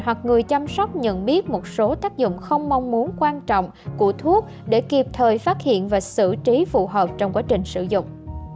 hoặc người chăm sóc nhận biết một số tác dụng không mong muốn quan trọng của thuốc để kịp thời phát hiện và xử trí phù hợp trong quá trình sử dụng